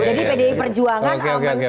jadi pdi perjuangan